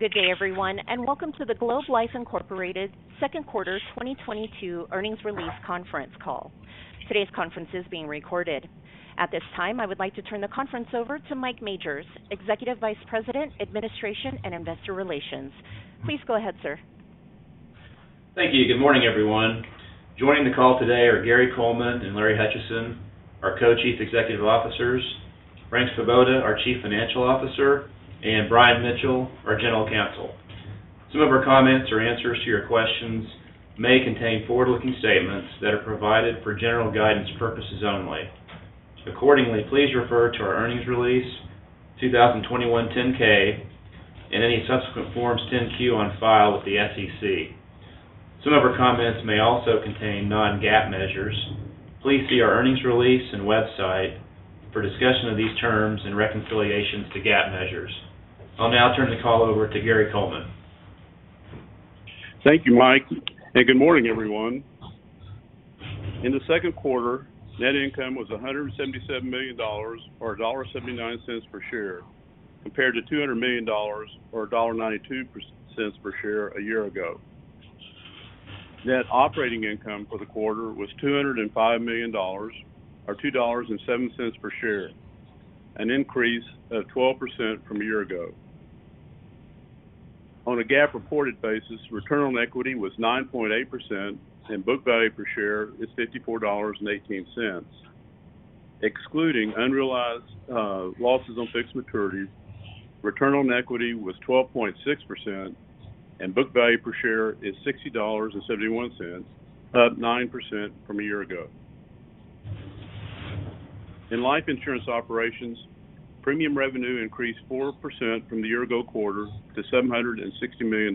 Good day, everyone, and welcome to the Globe Life Inc. second quarter 2022 earnings release conference call. Today's conference is being recorded. At this time, I would like to turn the conference over to Michael Majors, Executive Vice President, Administration and Investor Relations. Please go ahead, sir. Thank you. Good morning, everyone. Joining the call today are Gary Coleman and Larry Hutchison, our Co-Chief Executive Officers, Frank Svoboda, our Chief Financial Officer, and Brian Mitchell, our General Counsel. Some of our comments or answers to your questions may contain forward-looking statements that are provided for general guidance purposes only. Accordingly, please refer to our earnings release, 2021 10-K, and any subsequent Forms 10-Q on file with the SEC. Some of our comments may also contain non-GAAP measures. Please see our earnings release and website for discussion of these terms and reconciliations to GAAP measures. I'll now turn the call over to Gary Coleman. Thank you, Mike, and good morning, everyone. In the second quarter, net income was $177 million or $1.79 per share, compared to $200 million or $1.92 per share a year ago. Net operating income for the quarter was $205 million or $2.07 per share, an increase of 12% from a year ago. On a GAAP reported basis, return on equity was 9.8%, and book value per share is $54.18. Excluding unrealized losses on fixed maturities, return on equity was 12.6%, and book value per share is $60.71, up 9% from a year ago. In life insurance operations, premium revenue increased 4% from the year-ago quarter to $760 million.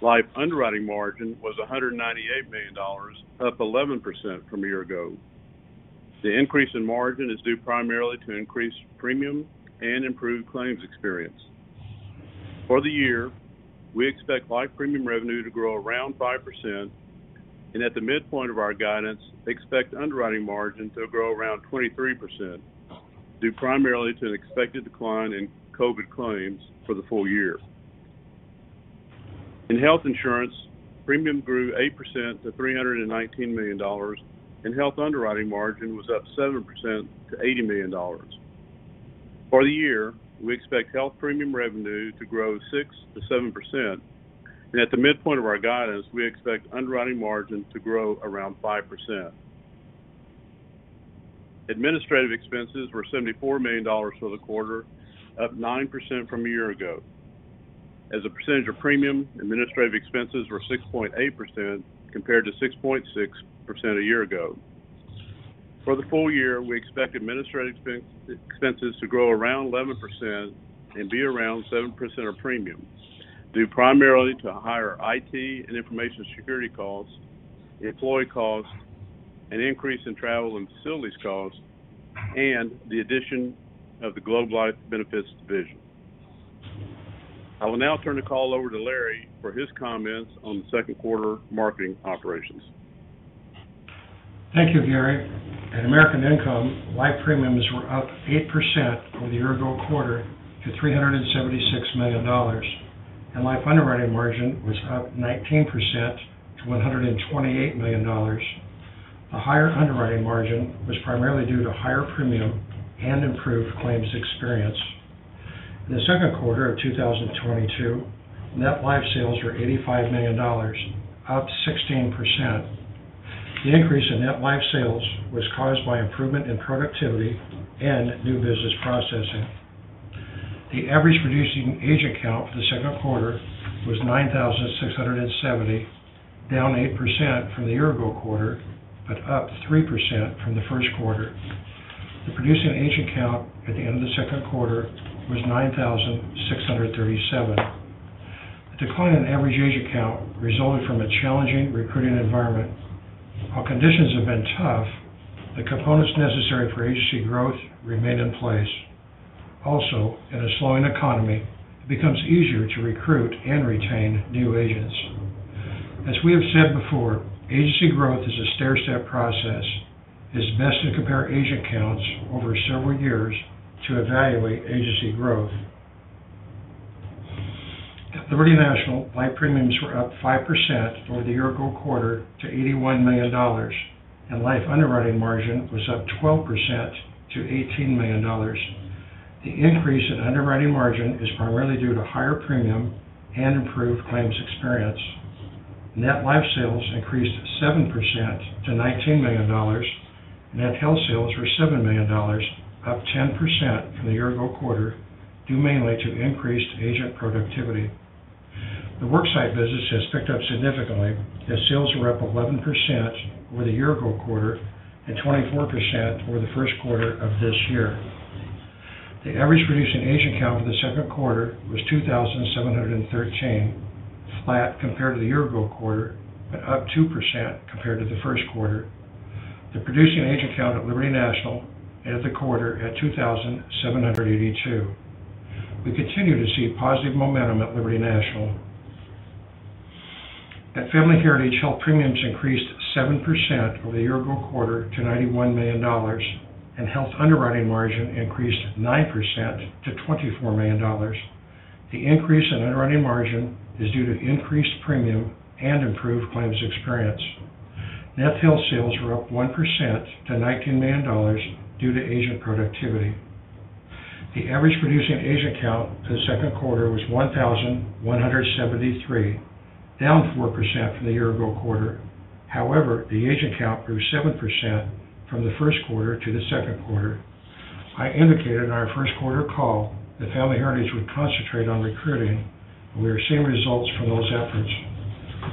Life underwriting margin was $198 million, up 11% from a year ago. The increase in margin is due primarily to increased premium and improved claims experience. For the year, we expect life premium revenue to grow around 5%, and at the midpoint of our guidance, expect underwriting margin to grow around 23%, due primarily to an expected decline in COVID claims for the full year. In health insurance, premium grew 8% to $319 million, and health underwriting margin was up 7% to $80 million. For the year, we expect health premium revenue to grow 6%-7%, and at the midpoint of our guidance, we expect underwriting margin to grow around 5%. Administrative expenses were $74 million for the quarter, up 9% from a year ago. As a percentage of premium, administrative expenses were 6.8% compared to 6.6% a year ago. For the full year, we expect administrative expenses to grow around 11% and be around 7% of premium, due primarily to higher IT and information security costs, employee costs, an increase in travel and facilities costs, and the addition of the Globe Life Benefits division. I will now turn the call over to Larry for his comments on the second quarter marketing operations. Thank you, Gary. At American Income, life premiums were up 8% over the year-ago quarter to $376 million, and life underwriting margin was up 19% to $128 million. A higher underwriting margin was primarily due to higher premium and improved claims experience. In the second quarter of 2022, net life sales were $85 million, up 16%. The increase in net life sales was caused by improvement in productivity and new business processing. The average producing agent count for the second quarter was 9,670, down 8% from the year-ago quarter, but up 3% from the first quarter. The producing agent count at the end of the second quarter was 9,637. The decline in average agent count resulted from a challenging recruiting environment. While conditions have been tough, the components necessary for agency growth remain in place. Also, in a slowing economy, it becomes easier to recruit and retain new agents. As we have said before, agency growth is a stairstep process. It's best to compare agent counts over several years to evaluate agency growth. At Liberty National, life premiums were up 5% over the year-ago quarter to $81 million, and life underwriting margin was up 12% to $18 million. The increase in underwriting margin is primarily due to higher premium and improved claims experience. Net life sales increased 7% to $19 million. Net health sales were $7 million, up 10% from the year-ago quarter, due mainly to increased agent productivity. The work site business has picked up significantly as sales were up 11% over the year-ago quarter and 24% over the first quarter of this year. The average producing agent count for the second quarter was 2,713, flat compared to the year ago-quarter, but up 2% compared to the first quarter. The producing agent count at Liberty National ended the quarter at 2,782. We continue to see positive momentum at Liberty National. At Family Heritage, health premiums increased 7% over the year-ago quarter to $91 million, and health underwriting margin increased 9% to $24 million. The increase in underwriting margin is due to increased premium and improved claims experience. Net health sales were up 1% to $19 million due to agent productivity. The average producing agent count for the second quarter was 1,173, down 4% from the year-ago quarter. However, the agent count grew 7% from the first quarter to the second quarter. I indicated in our first quarter call that Family Heritage would concentrate on recruiting, and we are seeing results from those efforts.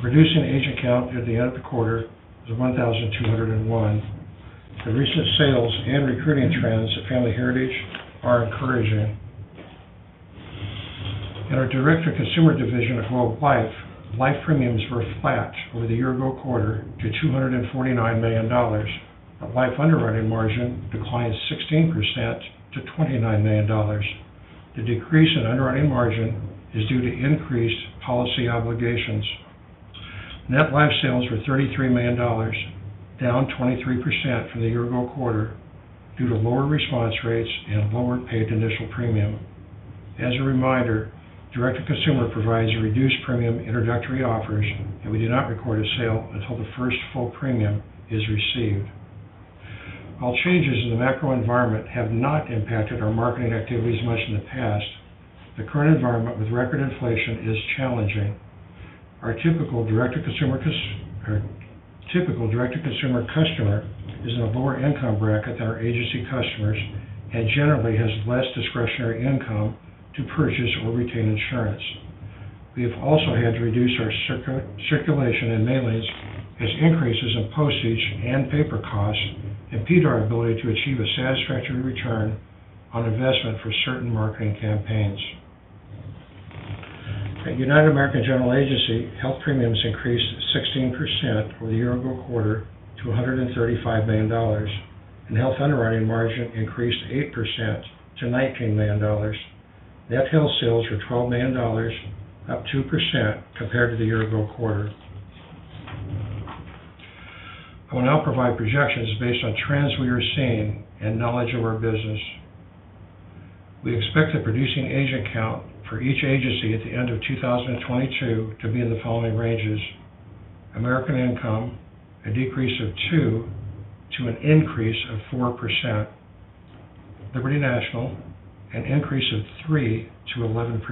Producing agent count at the end of the quarter was 1,201. The recent sales and recruiting trends at Family Heritage are encouraging. At our Direct-to-Consumer division at Globe Life, life premiums were flat over the year-ago quarter to $249 million, but life underwriting margin declined 16% to $29 million. The decrease in underwriting margin is due to increased policy obligations. Net life sales were $33 million, down 23% from the year-ago quarter due to lower response rates and lower paid initial premium. As a reminder, Direct-to-Consumer provides reduced premium introductory offers, and we do not record a sale until the first full premium is received. While changes in the macro environment have not impacted our marketing activities much in the past, the current environment with record inflation is challenging. Our typical Direct-to-Consumer customer is in a lower income bracket than our agency customers and generally has less discretionary income to purchase or retain insurance. We have also had to reduce our circulation and mailings as increases in postage and paper costs impede our ability to achieve a satisfactory return on investment for certain marketing campaigns. At United American General Agency, health premiums increased 16% over the year-ago quarter to $135 million, and health underwriting margin increased 8% to $19 million. Net health sales were $12 million, up 2% compared to the year-ago quarter. I will now provide projections based on trends we are seeing and knowledge of our business. We expect the producing agent count for each agency at the end of 2022 to be in the following ranges: American Income, a decrease of 2% to an increase of 4%. Liberty National, an increase of 3%-11%.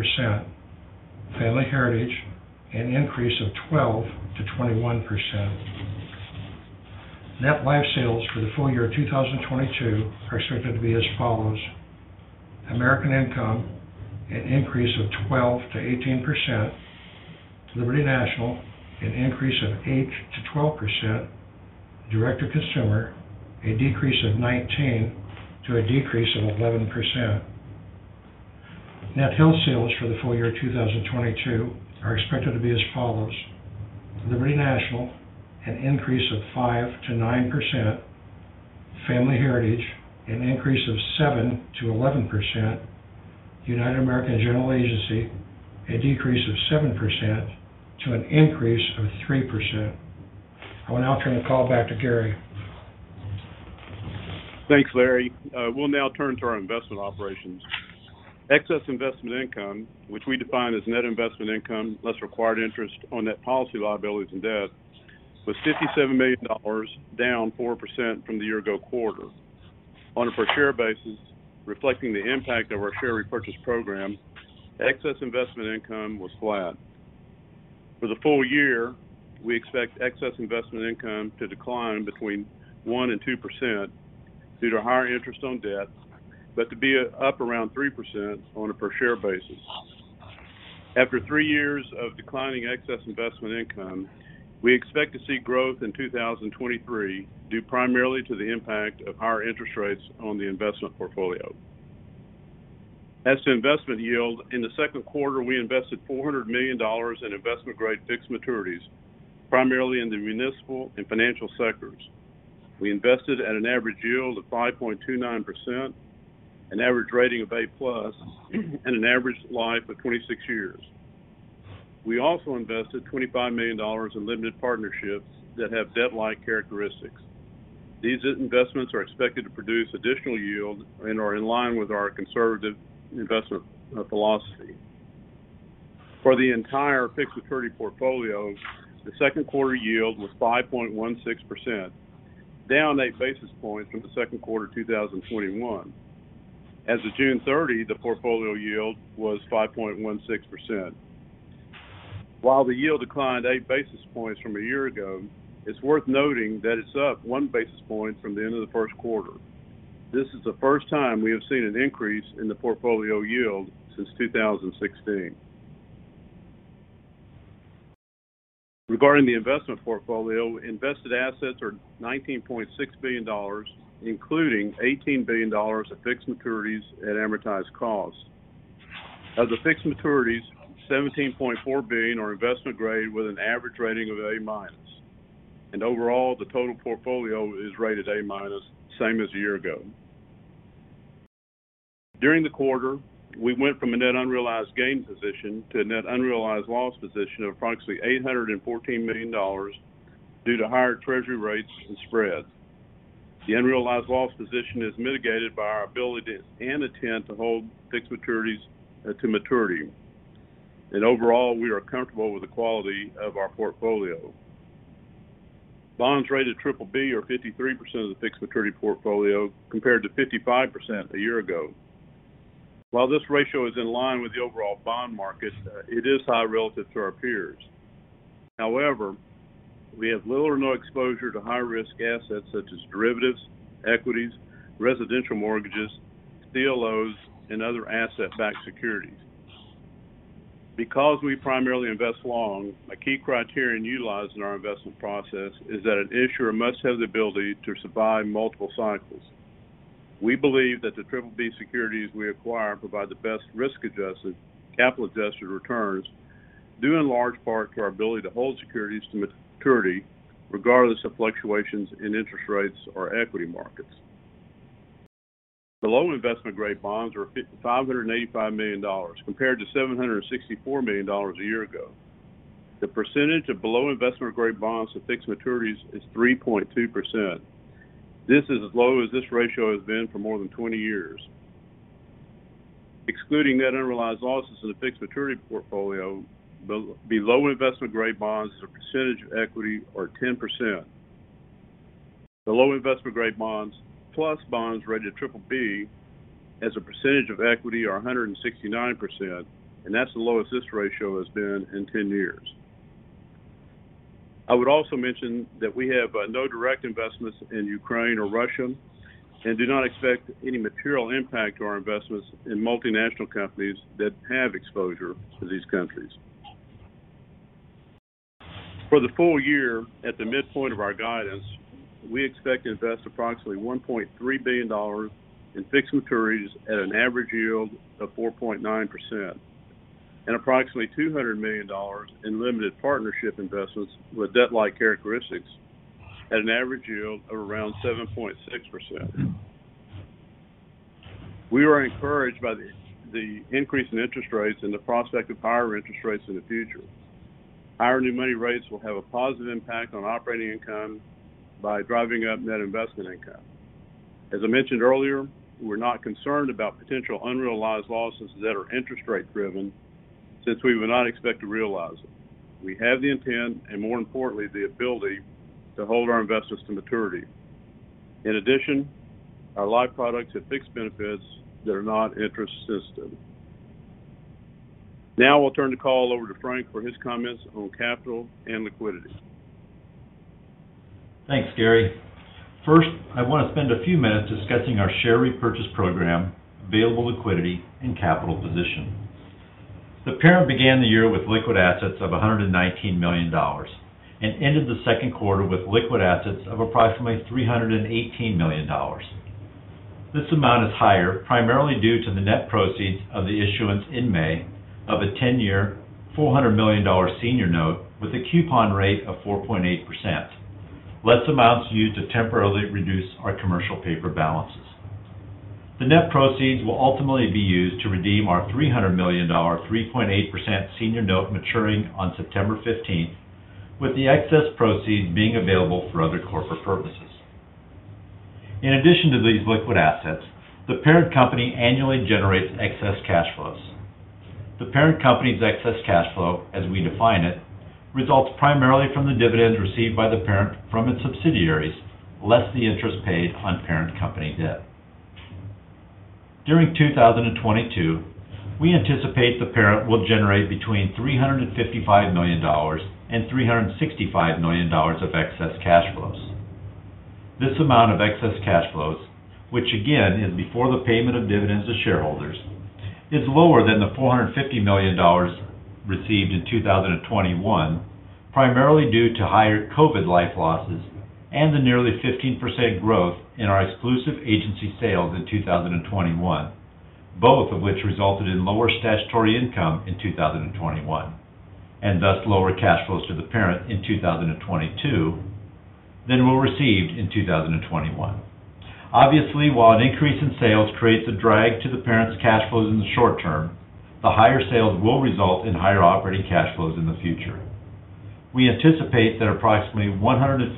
Family Heritage, an increase of 12%-21%. Net life sales for the full year 2022 are expected to be as follows: American Income, an increase of 12%-18%. Liberty National, an increase of 8%-12%. Direct-to-Consumer, a decrease of 19% to a decrease of 11%. Net health sales for the full year 2022 are expected to be as follows. Liberty National, an increase of 5%-9%. Family Heritage, an increase of 7%-11%. United American General Agency, a decrease of 7% to an increase of 3%. I will now turn the call back to Gary. Thanks, Larry. We'll now turn to our investment operations. Excess investment income, which we define as net investment income, less required interest on net policy liabilities and debt, was $57 million, down 4% from the year-ago quarter. On a per share basis, reflecting the impact of our share repurchase program, excess investment income was flat. For the full year, we expect excess investment income to decline between 1%-2% due to higher interest on debt, but to be up around 3% on a per share basis. After three years of declining excess investment income, we expect to see growth in 2023, due primarily to the impact of higher interest rates on the investment portfolio. As to investment yield, in the second quarter, we invested $400 million in investment-grade fixed maturities, primarily in the municipal and financial sectors. We invested at an average yield of 5.29%, an average rating of A+, and an average life of 26 years. We also invested $25 million in limited partnerships that have debt-like characteristics. These investments are expected to produce additional yield and are in line with our conservative investment philosophy. For the entire fixed maturity portfolio, the second quarter yield was 5.16%, down 8 basis points from the second quarter 2021. As of June 30th, the portfolio yield was 5.16%. While the yield declined 8 basis points from a year ago, it's worth noting that it's up 1 basis point from the end of the first quarter. This is the first time we have seen an increase in the portfolio yield since 2016. Regarding the investment portfolio, invested assets are $19.6 billion, including $18 billion of fixed maturities at amortized cost. Of the fixed maturities, $17.4 billion are investment-grade with an average rating of A-. Overall, the total portfolio is rated A-, same as a year ago. During the quarter, we went from a net unrealized gain position to a net unrealized loss position of approximately $814 million due to higher treasury rates and spreads. The unrealized loss position is mitigated by our ability and intent to hold fixed maturities to maturity. Overall, we are comfortable with the quality of our portfolio. Bonds rated BBB are 53% of the fixed maturity portfolio, compared to 55% a year ago. While this ratio is in line with the overall bond market, it is high relative to our peers. However, we have little or no exposure to high-risk assets such as derivatives, equities, residential mortgages, CLOs, and other asset-backed securities. Because we primarily invest long, a key criterion utilized in our investment process is that an issuer must have the ability to survive multiple cycles. We believe that the BBB securities we acquire provide the best risk-adjusted, capital-adjusted returns, due in large part to our ability to hold securities to maturity regardless of fluctuations in interest rates or equity markets. The long-term investment-grade bonds are $585 million compared to $764 million a year ago. The percentage of below investment-grade bonds to fixed maturities is 3.2%. This is as low as this ratio has been for more than 20 years. Excluding net unrealized losses in the fixed maturity portfolio, below investment-grade bonds as a percentage of equity are 10%. The lower investment-grade bonds plus bonds rated BBB as a percentage of equity are 169%, and that's the lowest this ratio has been in 10 years. I would also mention that we have no direct investments in Ukraine or Russia and do not expect any material impact to our investments in multinational companies that have exposure to these countries. For the full year, at the midpoint of our guidance, we expect to invest approximately $1.3 billion in fixed maturities at an average yield of 4.9% and approximately $200 million in limited partnership investments with debt-like characteristics at an average yield of around 7.6%. We are encouraged by the increase in interest rates and the prospect of higher interest rates in the future. Our new money rates will have a positive impact on operating income by driving up net investment income. As I mentioned earlier, we're not concerned about potential unrealized losses that are interest rate driven since we would not expect to realize them. We have the intent and more importantly, the ability to hold our investments to maturity. In addition, our life products have fixed benefits that are not interest sensitive. Now I will turn the call over to Frank for his comments on capital and liquidity. Thanks, Gary. First, I want to spend a few minutes discussing our share repurchase program, available liquidity, and capital position. The parent began the year with liquid assets of $119 million and ended the second quarter with liquid assets of approximately $318 million. This amount is higher, primarily due to the net proceeds of the issuance in May of a 10-year, $400 million senior note with a coupon rate of 4.8%. Less amounts used to temporarily reduce our commercial paper balances. The net proceeds will ultimately be used to redeem our $300 million 3.8% senior note maturing on September 15th, with the excess proceeds being available for other corporate purposes. In addition to these liquid assets, the parent company annually generates excess cash flows. The parent company's excess cash flow, as we define it, results primarily from the dividends received by the parent from its subsidiaries, less the interest paid on parent company debt. During 2022, we anticipate the parent will generate between $355 million and $365 million of excess cash flows. This amount of excess cash flows, which again is before the payment of dividends to shareholders, is lower than the $450 million received in 2021, primarily due to higher COVID life losses and the nearly 15% growth in our exclusive agency sales in 2021, both of which resulted in lower statutory income in 2021, and thus lower cash flows to the parent in 2022 than were received in 2021. Obviously, while an increase in sales creates a drag to the parent's cash flows in the short term, the higher sales will result in higher operating cash flows in the future. We anticipate that approximately $145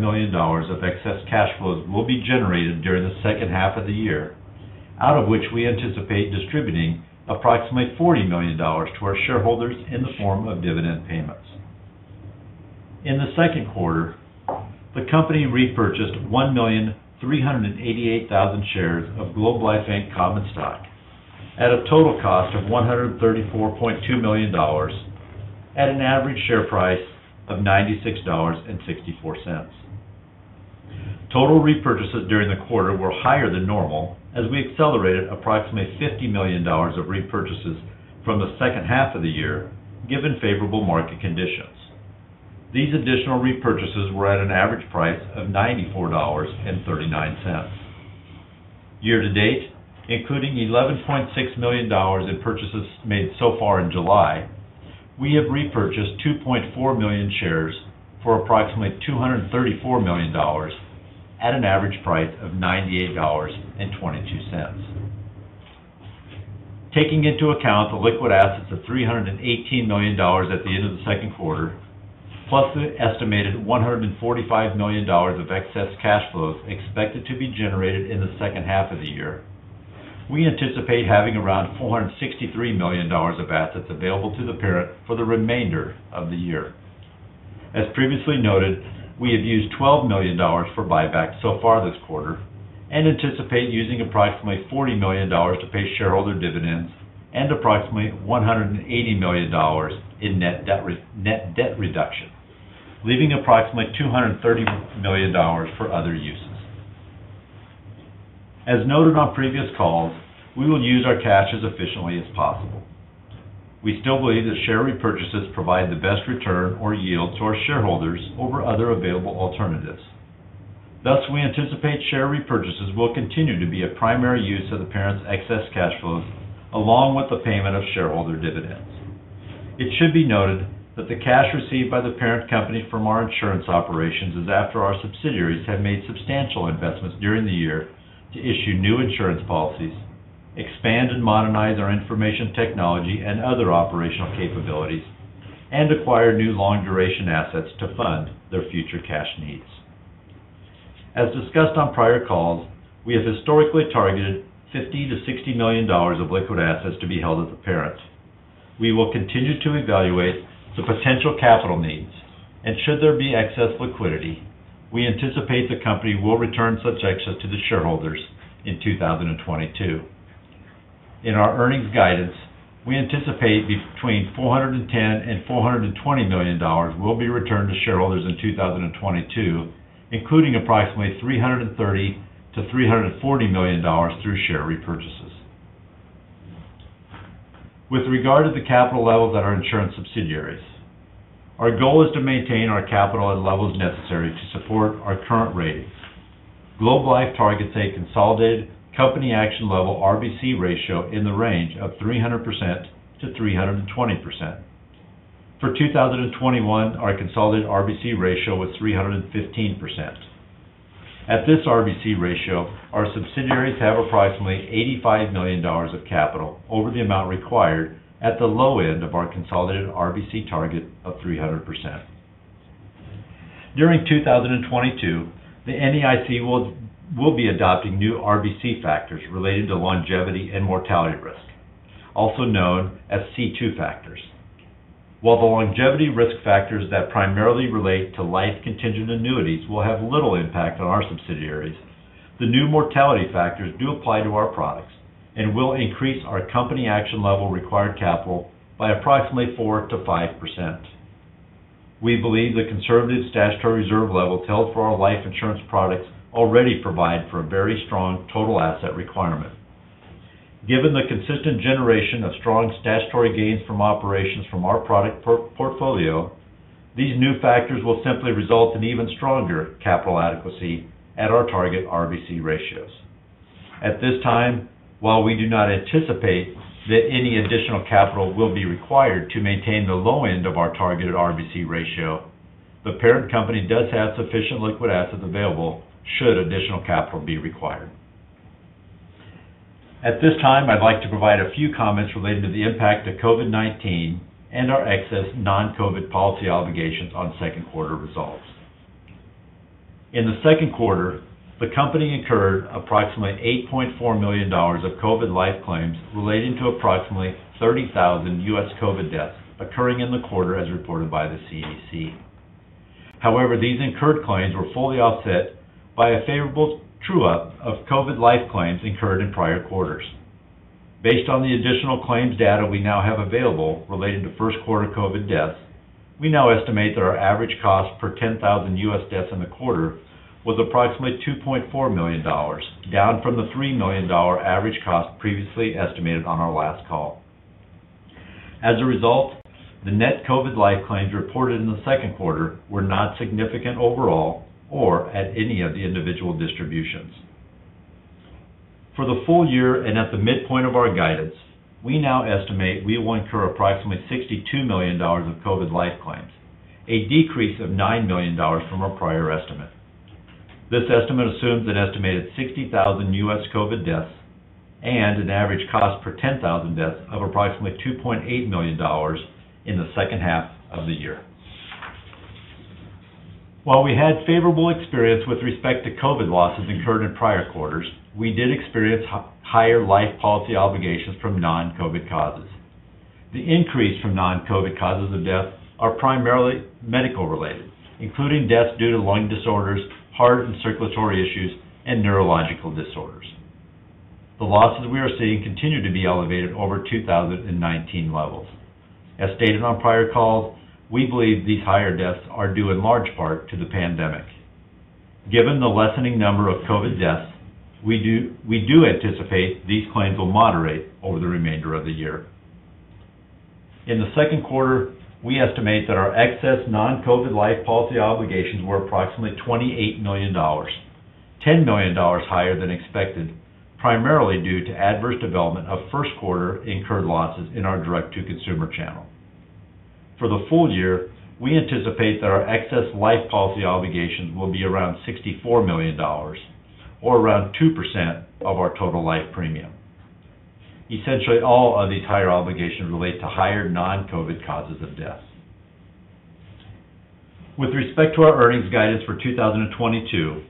million of excess cash flows will be generated during the second half of the year, out of which we anticipate distributing approximately $40 million to our shareholders in the form of dividend payments. In the second quarter, the company repurchased 1,388,000 shares of Globe Life Inc. common stock at a total cost of $134.2 million at an average share price of $96.64. Total repurchases during the quarter were higher than normal as we accelerated approximately $50 million of repurchases from the second half of the year, given favorable market conditions. These additional repurchases were at an average price of $94.39. Year-to-date, including $11.6 million in purchases made so far in July. We have repurchased 2.4 million shares for approximately $234 million at an average price of $98.22. Taking into account the liquid assets of $318 million at the end of the second quarter, plus the estimated $145 million of excess cash flows expected to be generated in the second half of the year, we anticipate having around $463 million of assets available to the parent for the remainder of the year. As previously noted, we have used $12 million for buybacks so far this quarter and anticipate using approximately $40 million to pay shareholder dividends and approximately $180 million in net debt reduction, leaving approximately $230 million for other uses. As noted on previous calls, we will use our cash as efficiently as possible. We still believe that share repurchases provide the best return or yield to our shareholders over other available alternatives. Thus, we anticipate share repurchases will continue to be a primary use of the parent's excess cash flows along with the payment of shareholder dividends. It should be noted that the cash received by the parent company from our insurance operations is after our subsidiaries have made substantial investments during the year to issue new insurance policies, expand and modernize our information technology and other operational capabilities, and acquire new long duration assets to fund their future cash needs. As discussed on prior calls, we have historically targeted $50 million-$60 million of liquid assets to be held at the parent. We will continue to evaluate the potential capital needs, and should there be excess liquidity, we anticipate the company will return such excess to the shareholders in 2022. In our earnings guidance, we anticipate between $410 million and $420 million will be returned to shareholders in 2022, including approximately $330 million-$340 million through share repurchases. With regard to the capital levels at our insurance subsidiaries, our goal is to maintain our capital at levels necessary to support our current ratings. Globe Life targets a consolidated company action level RBC ratio in the range of 300%-320%. For 2021, our consolidated RBC ratio was 315%. At this RBC ratio, our subsidiaries have approximately $85 million of capital over the amount required at the low end of our consolidated RBC target of 300%. During 2022, the NAIC will be adopting new RBC factors related to longevity and mortality risk, also known as C-2 factors. While the longevity risk factors that primarily relate to life contingent annuities will have little impact on our subsidiaries, the new mortality factors do apply to our products and will increase our company action level required capital by approximately 4%-5%. We believe the conservative statutory reserve levels held for our life insurance products already provide for a very strong total asset requirement. Given the consistent generation of strong statutory gains from operations from our product portfolio, these new factors will simply result in even stronger capital adequacy at our target RBC ratios. At this time, while we do not anticipate that any additional capital will be required to maintain the low end of our targeted RBC ratio, the parent company does have sufficient liquid assets available should additional capital be required. At this time, I'd like to provide a few comments related to the impact of COVID-19 and our excess non-COVID policy obligations on second quarter results. In the second quarter, the company incurred approximately $8.4 million of COVID life claims relating to approximately 30,000 U.S. COVID deaths occurring in the quarter as reported by the CDC. However, these incurred claims were fully offset by a favorable true-up of COVID life claims incurred in prior quarters. Based on the additional claims data we now have available relating to first quarter COVID deaths, we now estimate that our average cost per 10,000 U.S. deaths in the quarter was approximately $2.4 million, down from the $3 million average cost previously estimated on our last call. As a result, the net COVID life claims reported in the second quarter were not significant overall or at any of the individual distributions. For the full year and at the midpoint of our guidance, we now estimate we will incur approximately $62 million of COVID life claims, a decrease of $9 million from our prior estimate. This estimate assumes an estimated 60,000 U.S. COVID deaths and an average cost per 10,000 deaths of approximately $2.8 million in the second half of the year. While we had favorable experience with respect to COVID losses incurred in prior quarters, we did experience higher life policy obligations from non-COVID causes. The increase from non-COVID causes of death are primarily medical related, including deaths due to lung disorders, heart and circulatory issues, and neurological disorders. The losses we are seeing continue to be elevated over 2019 levels. As stated on prior calls, we believe these higher deaths are due in large part to the pandemic. Given the lessening number of COVID deaths, we anticipate these claims will moderate over the remainder of the year. In the second quarter, we estimate that our excess non-COVID life policy obligations were approximately $28 million, $10 million higher than expected, primarily due to adverse development of first quarter incurred losses in our Direct-to-Consumer channel. For the full year, we anticipate that our excess life policy obligations will be around $64 million or around 2% of our total life premium. Essentially all of these higher obligations relate to higher non-COVID causes of death. With respect to our earnings guidance for 2022,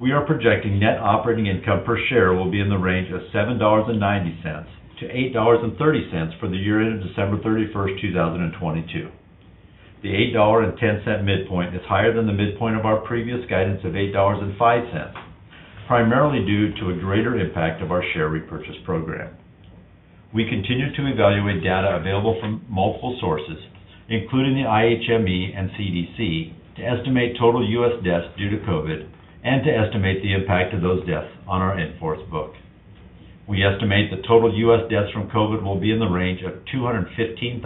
we are projecting net operating income per share will be in the range of $7.90-$8.30 for the year ending December 31st, 2022. The $8.10 midpoint is higher than the midpoint of our previous guidance of $8.05, primarily due to a greater impact of our share repurchase program. We continue to evaluate data available from multiple sources, including the IHME and CDC, to estimate total U.S. deaths due to COVID and to estimate the impact of those deaths on our in-force book. We estimate the total U.S. deaths from COVID will be in the range of 215,000-275,000,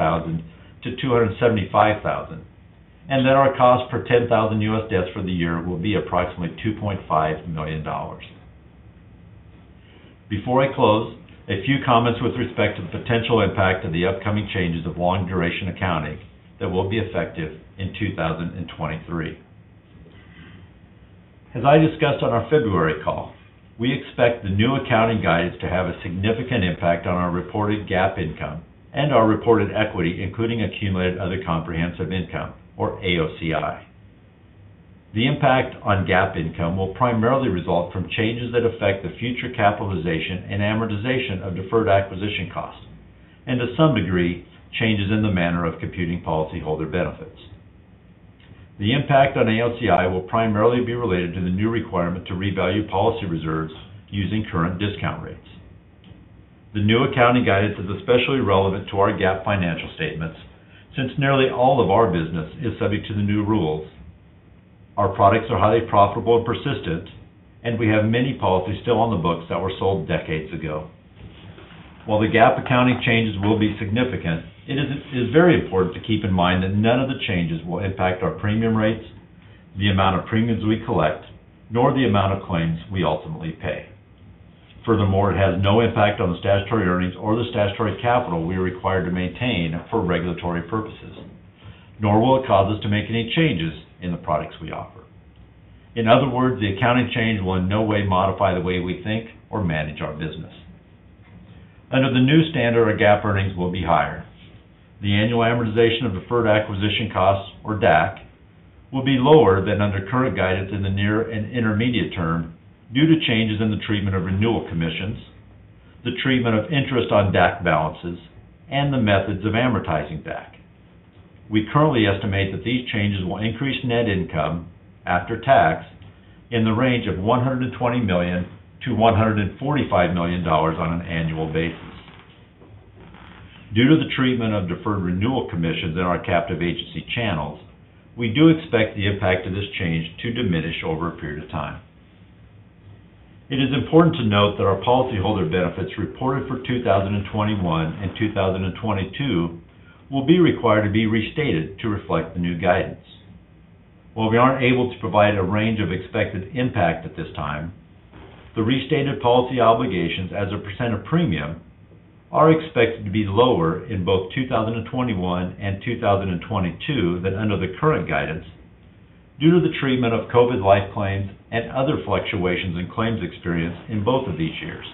and that our cost per 10,000 U.S. deaths for the year will be approximately $2.5 million. Before I close, a few comments with respect to the potential impact of the upcoming changes of long duration accounting that will be effective in 2023. As I discussed on our February call, we expect the new accounting guidance to have a significant impact on our reported GAAP income and our reported equity, including accumulated other comprehensive income, or AOCI. The impact on GAAP income will primarily result from changes that affect the future capitalization and amortization of deferred acquisition costs, and to some degree, changes in the manner of computing policyholder benefits. The impact on AOCI will primarily be related to the new requirement to revalue policy reserves using current discount rates. The new accounting guidance is especially relevant to our GAAP financial statements since nearly all of our business is subject to the new rules. Our products are highly profitable and persistent, and we have many policies still on the books that were sold decades ago. While the GAAP accounting changes will be significant, it is very important to keep in mind that none of the changes will impact our premium rates, the amount of premiums we collect, nor the amount of claims we ultimately pay. Furthermore, it has no impact on the statutory earnings or the statutory capital we are required to maintain for regulatory purposes, nor will it cause us to make any changes in the products we offer. In other words, the accounting change will in no way modify the way we think or manage our business. Under the new standard, our GAAP earnings will be higher. The annual amortization of deferred acquisition costs, or DAC, will be lower than under current guidance in the near and intermediate term due to changes in the treatment of renewal commissions, the treatment of interest on DAC balances, and the methods of amortizing DAC. We currently estimate that these changes will increase net income after tax in the range of $120 million-$145 million on an annual basis. Due to the treatment of deferred renewal commissions in our captive agency channels, we do expect the impact of this change to diminish over a period of time. It is important to note that our policyholder benefits reported for 2021 and 2022 will be required to be restated to reflect the new guidance. While we aren't able to provide a range of expected impact at this time, the restated policy obligations as a percent of premium are expected to be lower in both 2021 and 2022 than under the current guidance due to the treatment of COVID life claims and other fluctuations in claims experience in both of these years,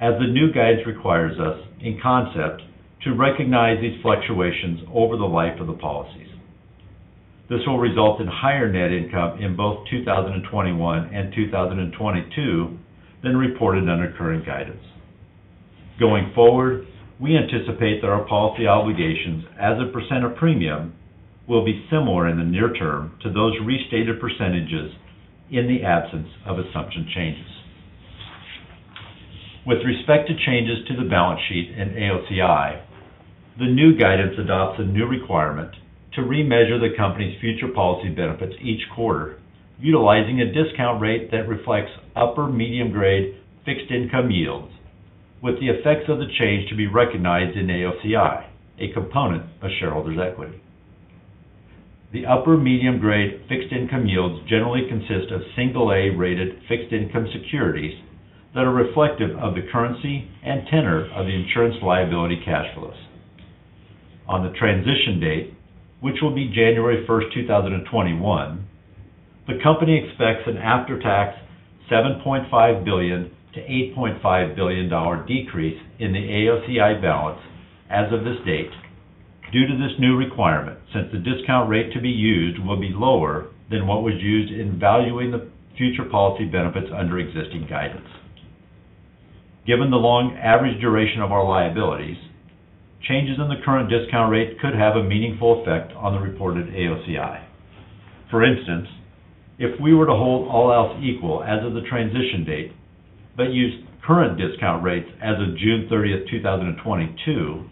as the new guidance requires us, in concept, to recognize these fluctuations over the life of the policies. This will result in higher net income in both 2021 and 2022 than reported under current guidance. Going forward, we anticipate that our policy obligations as a percent of premium will be similar in the near term to those restated percentages in the absence of assumption changes. With respect to changes to the balance sheet in AOCI, the new guidance adopts a new requirement to remeasure the company's future policy benefits each quarter utilizing a discount rate that reflects upper medium grade fixed income yields with the effects of the change to be recognized in AOCI, a component of shareholders' equity. The upper medium grade fixed income yields generally consist of single A-rated fixed income securities that are reflective of the currency and tenor of the insurance liability cash flows. On the transition date, which will be January 1st, 2021, the company expects an after-tax $7.5 billion-$8.5 billion decrease in the AOCI balance as of this date due to this new requirement, since the discount rate to be used will be lower than what was used in valuing the future policy benefits under existing guidance. Given the long average duration of our liabilities, changes in the current discount rate could have a meaningful effect on the reported AOCI. For instance, if we were to hold all else equal as of the transition date but use current discount rates as of June 30th, 2022,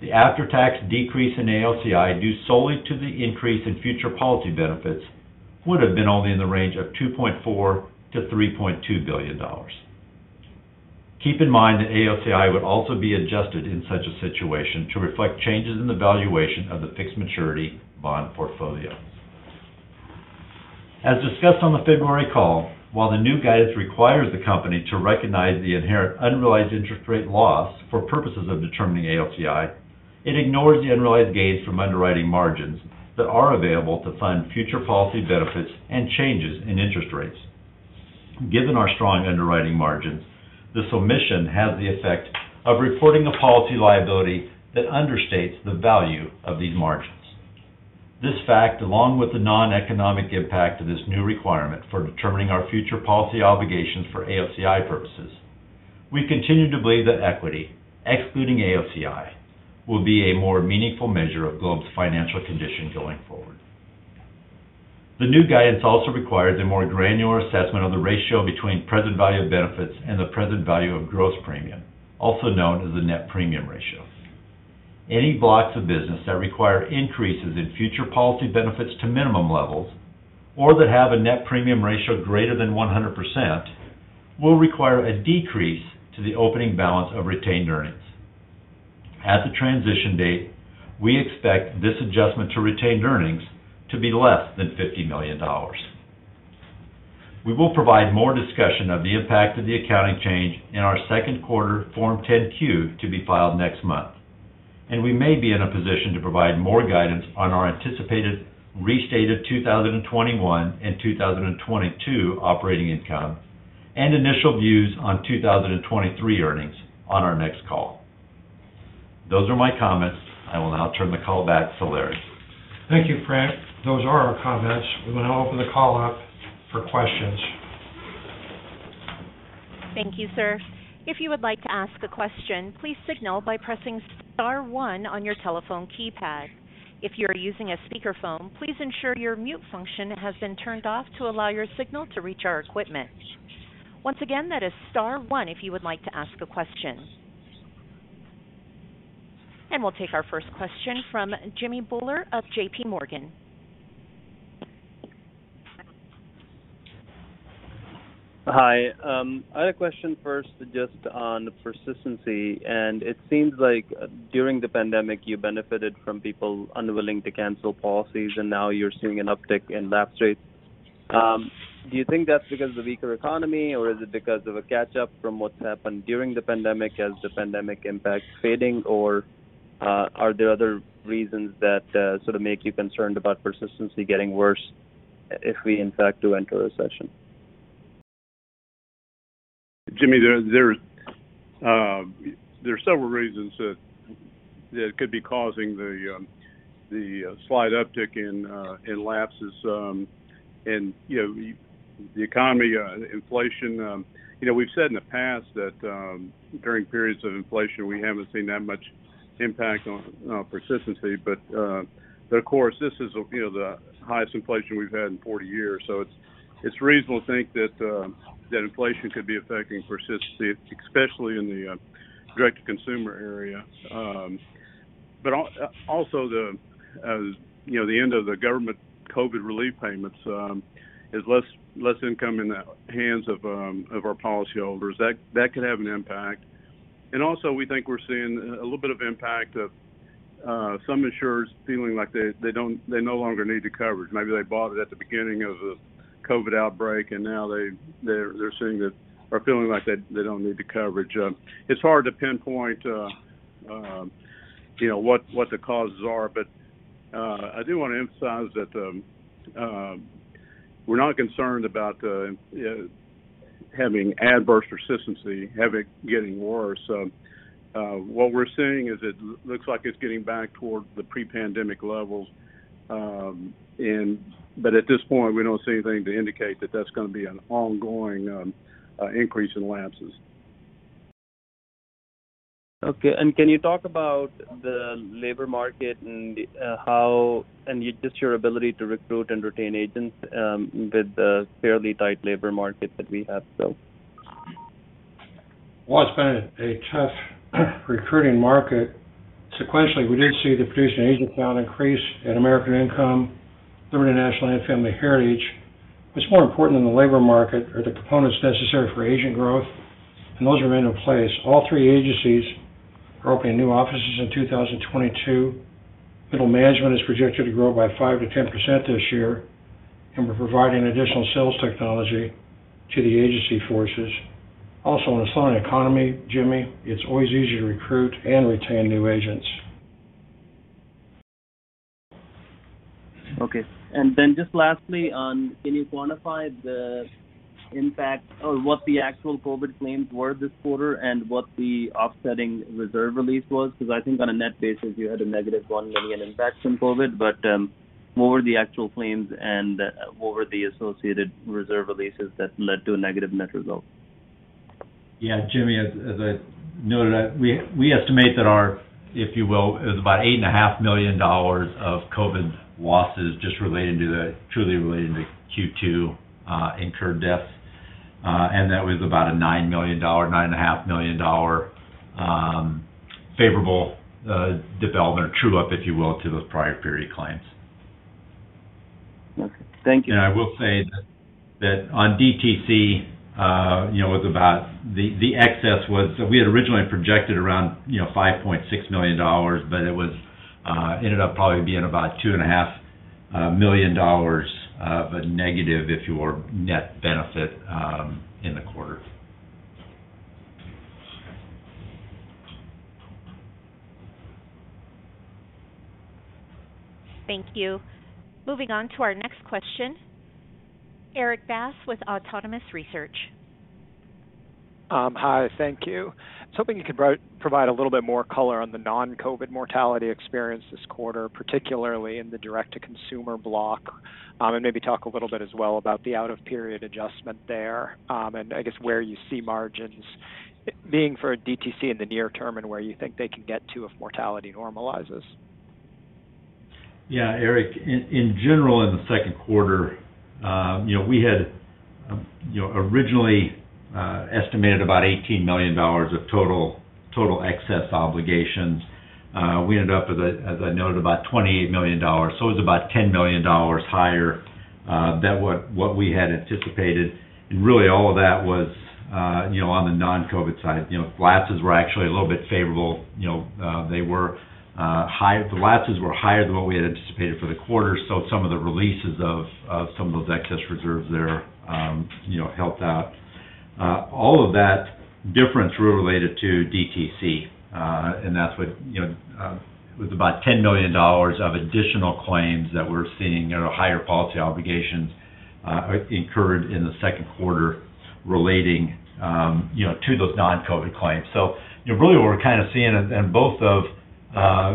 the after-tax decrease in AOCI due solely to the increase in future policy benefits would have been only in the range of $2.4 billion-$3.2 billion. Keep in mind that AOCI would also be adjusted in such a situation to reflect changes in the valuation of the fixed maturity bond portfolio. As discussed on the February call, while the new guidance requires the company to recognize the inherent unrealized interest rate loss for purposes of determining AOCI, it ignores the unrealized gains from underwriting margins that are available to fund future policy benefits and changes in interest rates. Given our strong underwriting margins, this omission has the effect of reporting a policy liability that understates the value of these margins. This fact, along with the non-economic impact of this new requirement for determining our future policy obligations for AOCI purposes, we continue to believe that equity, excluding AOCI, will be a more meaningful measure of Globe's financial condition going forward. The new guidance also requires a more granular assessment of the ratio between present value of benefits and the present value of gross premium, also known as the net premium ratio. Any blocks of business that require increases in future policy benefits to minimum levels or that have a net premium ratio greater than 100% will require a decrease to the opening balance of retained earnings. At the transition date, we expect this adjustment to retained earnings to be less than $50 million. We will provide more discussion of the impact of the accounting change in our second quarter Form 10-Q to be filed next month, and we may be in a position to provide more guidance on our anticipated restated 2021 and 2022 operating income and initial views on 2023 earnings on our next call. Those are my comments. I will now turn the call back to Larry. Thank you, Frank. Those are our comments. We will now open the call up for questions. Thank you, sir. If you would like to ask a question, please signal by pressing star one on your telephone keypad. If you are using a speakerphone, please ensure your mute function has been turned off to allow your signal to reach our equipment. Once again, that is star one if you would like to ask a question. We'll take our first question from Jimmy Bhullar of JPMorgan. Hi. I had a question first just on persistency, and it seems like during the pandemic, you benefited from people unwilling to cancel policies, and now you're seeing an uptick in lapse rates. Do you think that's because of the weaker economy, or is it because of a catch-up from what's happened during the pandemic as the pandemic impact is fading? Or, are there other reasons that, sort of make you concerned about persistency getting worse if we in fact do enter a recession? Jimmy, there's several reasons that could be causing the slight uptick in lapses. You know, the economy, inflation. You know, we've said in the past that during periods of inflation, we haven't seen that much impact on persistency. Of course, this is, you know, the highest inflation we've had in 40 years, so it's reasonable to think that inflation could be affecting persistency, especially in the Direct-to-Consumer area. Also the end of the government COVID relief payments is less income in the hands of our policyholders. That could have an impact. Also we think we're seeing a little bit of impact of some insureds feeling like they no longer need the coverage. Maybe they bought it at the beginning of the COVID outbreak and now they're seeing that or feeling like they don't need the coverage. It's hard to pinpoint, you know, what the causes are, but I do wanna emphasize that we're not concerned about having adverse persistency, getting worse. What we're seeing is it looks like it's getting back toward the pre-pandemic levels, but at this point, we don't see anything to indicate that that's gonna be an ongoing increase in lapses. Okay. Can you talk about the labor market and just your ability to recruit and retain agents with the fairly tight labor market that we have still? Well, it's been a tough recruiting market. Sequentially, we did see the producing agent count increase at American Income, Liberty National and Family Heritage. What's more important than the labor market are the components necessary for agent growth, and those remain in place. All three agencies are opening new offices in 2022. Middle management is projected to grow by 5%-10% this year, and we're providing additional sales technology to the agency forces. Also, in a strong economy, Jimmy, it's always easy to recruit and retain new agents. Okay. Just lastly on, can you quantify the impact or what the actual COVID claims were this quarter and what the offsetting reserve release was? 'Cause I think on a net basis you had a -$1 million impact from COVID, but what were the actual claims and what were the associated reserve releases that led to a negative net result? Yeah, Jimmy, as I noted, we estimate that our, if you will, it was about $8.5 million of COVID losses just truly relating to Q2 incurred deaths, and that was about a $9 million, $9.5 million favorable development or true up, if you will, to those prior period claims. Okay. Thank you. I will say that on DTC, you know, it was about the excess was we had originally projected around, you know, $5.6 million, but it ended up probably being about $2.5 million of a negative, if you will, net benefit in the quarter. Thank you. Moving on to our next question, Erik Bass with Autonomous Research. Hi. Thank you. I was hoping you could provide a little bit more color on the non-COVID mortality experience this quarter, particularly in the Direct-to-Consumer block, and maybe talk a little bit as well about the out of period adjustment there, and I guess where you see margins being for a DTC in the near term and where you think they can get to if mortality normalizes. Yeah, Erik, in general, in the second quarter, you know, we had originally estimated about $18 million of total excess obligations. We ended up with, as I noted, about $28 million, so it was about $10 million higher than what we had anticipated. Really, all of that was on the non-COVID side. You know, losses were actually a little bit favorable. You know, they were higher than what we had anticipated for the quarter. Some of the releases of some of those excess reserves there helped out. All of that difference were related to DTC, and that's what, you know, was about $10 million of additional claims that we're seeing or higher policy obligations, incurred in the second quarter relating, you know, to those non-COVID claims. Really what we're kind of seeing in both of,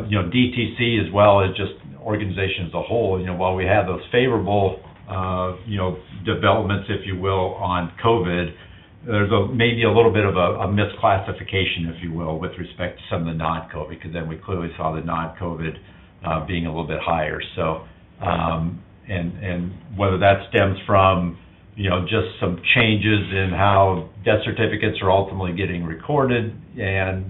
you know, DTC as well as just organization as a whole, you know, while we have those favorable, you know, developments, if you will, on COVID, there's maybe a little bit of a misclassification, if you will, with respect to some of the non-COVID, because then we clearly saw the non-COVID being a little bit higher. And whether that stems from, you know, just some changes in how death certificates are ultimately getting recorded and,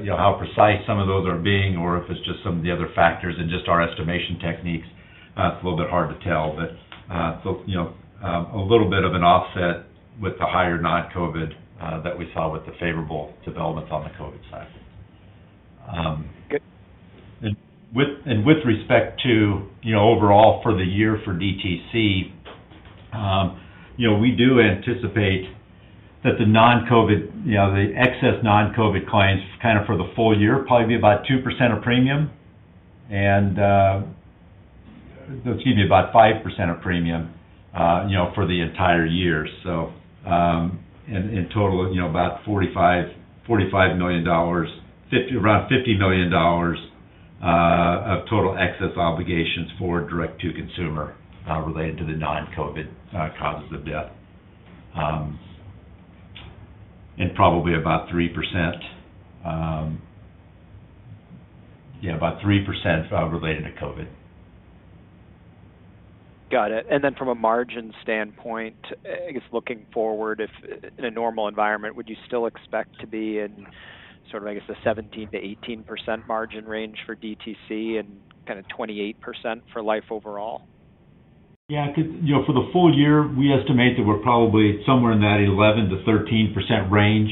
you know, how precise some of those are being or if it's just some of the other factors and just our estimation techniques, it's a little bit hard to tell. you know, a little bit of an offset with the higher non-COVID that we saw with the favorable developments on the COVID side. And with respect to, you know, overall for the year for DTC, you know, we do anticipate that the non-COVID, you know, the excess non-COVID claims kind of for the full year, probably be about 2% of premium and, excuse me, about 5% of premium, you know, for the entire year. In total, you know, about $45 million, around $50 million of total excess obligations for Direct-to-Consumer related to the non-COVID causes of death. Probably about 3% related to COVID. Got it. From a margin standpoint, I guess looking forward, if in a normal environment, would you still expect to be in sort of, I guess, the 17%-18% margin range for DTC and kind of 28% for life overall? Yeah. You know, for the full year, we estimate that we're probably somewhere in that 11%-13% range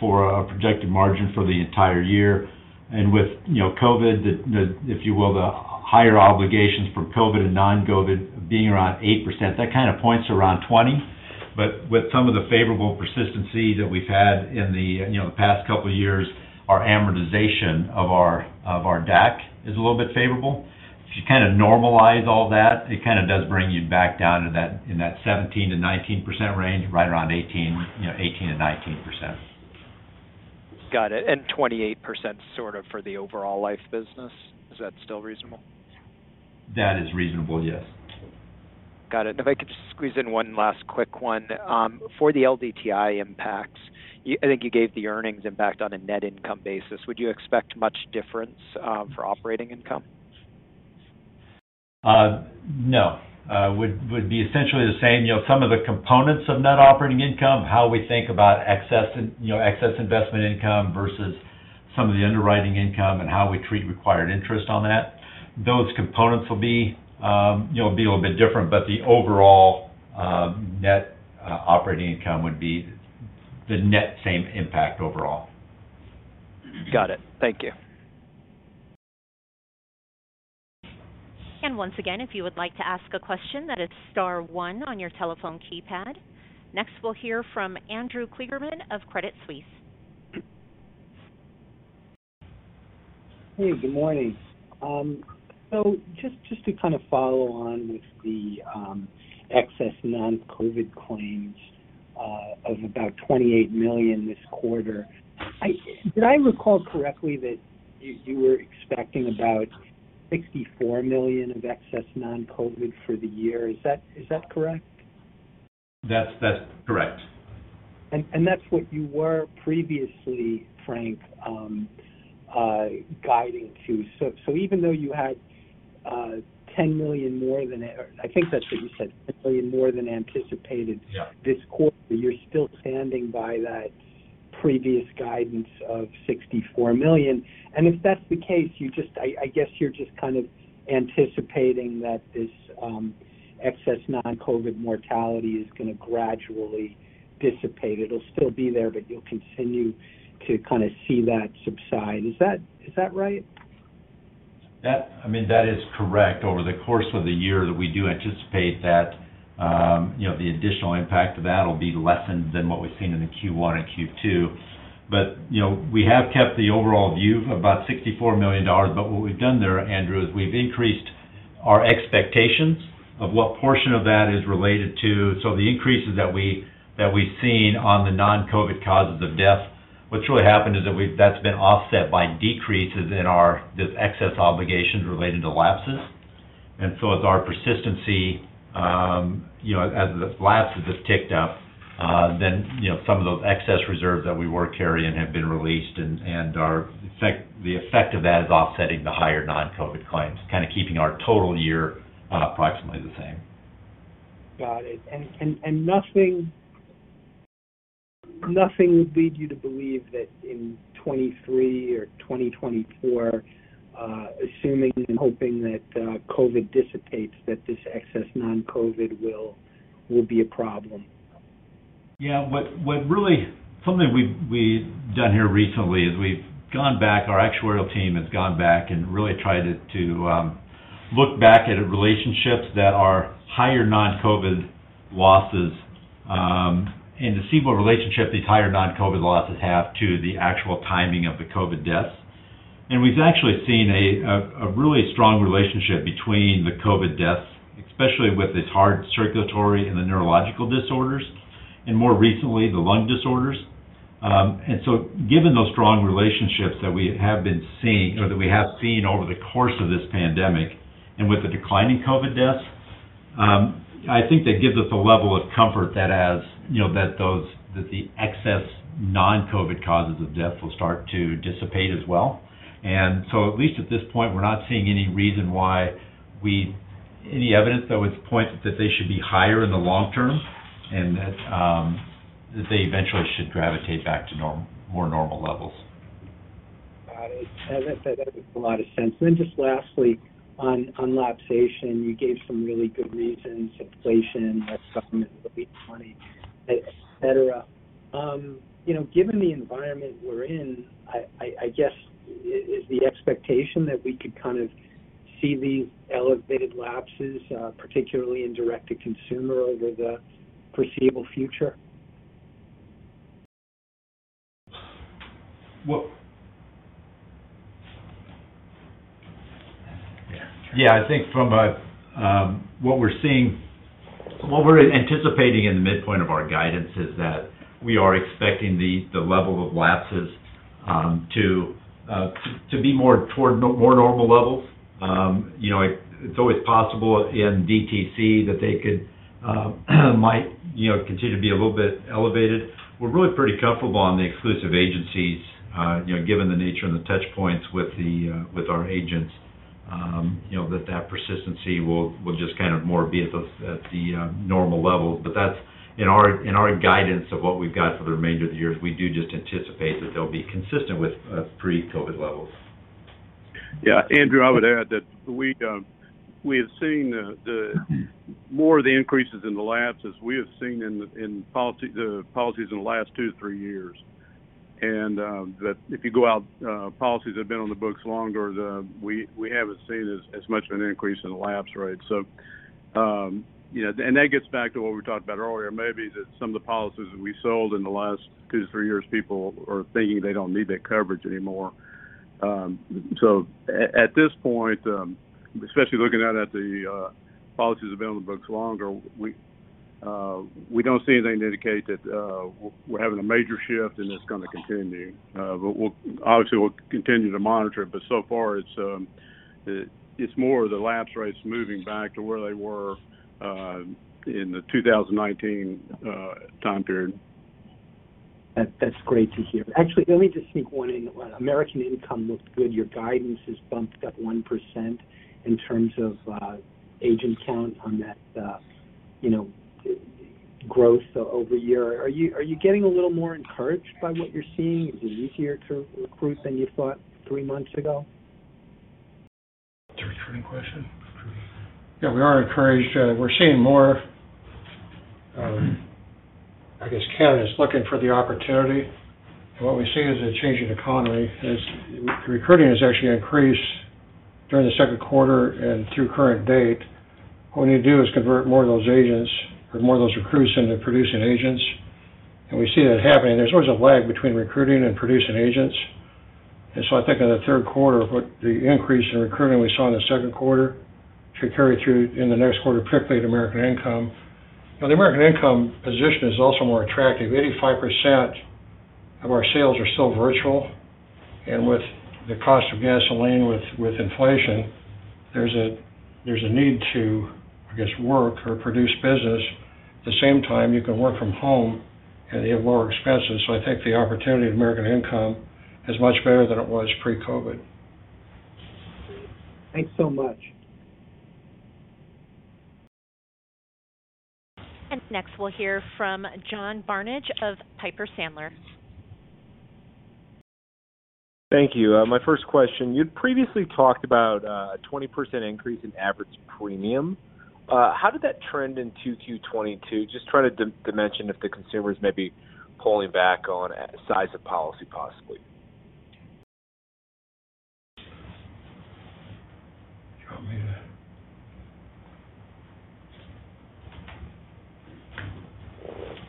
for our projected margin for the entire year. With, you know, COVID, the if you will, the higher obligations for COVID and non-COVID being around 8%, that kind of points around 20%. With some of the favorable persistency that we've had in the, you know, past couple of years, our amortization of our DAC is a little bit favorable. If you kind of normalize all that, it kind of does bring you back down to that in that 17%-19% range, right around 18%, you know, 18%-19%. Got it. 28% sort of for the overall life business. Is that still reasonable? That is reasonable, yes. Got it. If I could just squeeze in one last quick one. For the LDTI impacts, you, I think you gave the earnings impact on a net income basis. Would you expect much difference for operating income? No. Would be essentially the same. You know, some of the components of net operating income, how we think about excess investment income versus some of the underwriting income and how we treat required interest on that. Those components will be, you know, be a little bit different, but the overall net operating income would be the net same impact overall. Got it. Thank you. Once again, if you would like to ask a question, that is star one on your telephone keypad. Next, we'll hear from Andrew Kligerman of Credit Suisse. Hey, good morning. Just to kind of follow on with the excess non-COVID claims of about $28 million this quarter. Did I recall correctly that you were expecting about $64 million of excess non-COVID for the year? Is that correct? That's correct. That's what you were previously, Frank, guiding to. Even though you had $10 million more than, or I think that's what you said, $10 million more than anticipated. This quarter, you're still standing by that previous guidance of $64 million. If that's the case, I guess you're just kind of anticipating that this excess non-COVID mortality is gonna gradually dissipate. It'll still be there, but you'll continue to kinda see that subside. Is that right? I mean, that is correct. Over the course of the year, we do anticipate that, you know, the additional impact of that'll be less than what we've seen in the Q1 and Q2. You know, we have kept the overall view of about $64 million. What we've done there, Andrew, is we've increased our expectations of what portion of that is related to the increases that we've seen on the non-COVID causes of death. What's really happened is that that's been offset by decreases in these excess obligations related to lapses. As our persistency, you know, as the lapses have ticked up, then, you know, some of those excess reserves that we were carrying have been released, and the effect of that is offsetting the higher non-COVID claims, kind of keeping our total year approximately the same. Got it. Nothing would lead you to believe that in 2023 or 2024, assuming and hoping that COVID dissipates, that this excess non-COVID will be a problem? Something we've done here recently is we've gone back, our actuarial team has gone back and really tried to look back at relationships that are higher non-COVID losses, and to see what relationship these higher non-COVID losses have to the actual timing of the COVID deaths. We've actually seen a really strong relationship between the COVID deaths, especially with the heart circulatory and the neurological disorders, and more recently, the lung disorders. Given those strong relationships that we have been seeing or that we have seen over the course of this pandemic, and with the decline in COVID deaths, I think that gives us a level of comfort that as you know, that the excess non-COVID causes of death will start to dissipate as well. At least at this point, we're not seeing any reason why we any evidence that would point that they should be higher in the long term and that they eventually should gravitate back to more normal levels. Got it. As I said, that makes a lot of sense. Just lastly, on lapses, you gave some really good reasons, inflation, less government, the big money, etc. You know, given the environment we're in, I guess, is the expectation that we could kind of see these elevated lapses, particularly in Direct-to-Consumer over the foreseeable future? Yeah. I think from a what we're seeing, what we're anticipating in the midpoint of our guidance is that we are expecting the level of lapses to be more toward more normal levels. You know, it's always possible in DTC that they could might continue to be a little bit elevated. We're really pretty comfortable on the exclusive agencies, you know, given the nature and the touch points with our agents, you know, that persistency will just kind of more be at the normal levels. That's in our guidance of what we've got for the remainder of the year. We do just anticipate that they'll be consistent with pre-COVID levels. Yeah. Andrew, I would add that we have seen more of the increases in the lapses we have seen in policies in the last 2-3 years. That if you go out, policies have been on the books longer, we haven't seen as much of an increase in the lapse rates. You know, that gets back to what we talked about earlier, maybe that some of the policies that we sold in the last 2-3 years, people are thinking they don't need that coverage anymore. At this point, especially looking out at the policies on the books longer, we don't see anything to indicate that we're having a major shift, and it's gonna continue. We'll obviously continue to monitor it, but so far it's more of the lapse rates moving back to where they were in the 2019 time period. That's great to hear. Actually, let me just sneak one in. American Income looked good. Your guidance has bumped up 1% in terms of agent count on that, you know, growth over year. Are you getting a little more encouraged by what you're seeing? Is it easier to recruit than you thought three months ago? Yeah, we're seeing more, I guess, candidates looking for the opportunity. What we've seen in a changing economy is recruiting has actually increased during the second quarter and through current date. What we need to do is convert more of those agents or more of those recruits into producing agents, and we see that happening. There's always a lag between recruiting and producing agents. I think in the third quarter, what the increase in recruiting we saw in the second quarter should carry through in the next quarter, particularly at American Income. Now, the American Income position is also more attractive. 85% of our sales are still virtual, and with the cost of gasoline, with inflation, there's a need to, I guess, work or produce business. At the same time, you can work from home and have lower expenses. I think the opportunity at American Income is much better than it was pre-COVID. Thanks so much. Next, we'll hear from John Barnidge of Piper Sandler. Thank you. My first question, you'd previously talked about a 20% increase in average premium. How did that trend in 2Q 2022? Just trying to dimension if the consumer is maybe pulling back on size of policy possibly.